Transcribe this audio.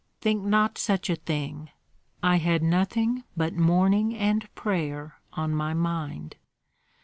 "Think not such a thing! I had nothing but mourning and prayer on my mind."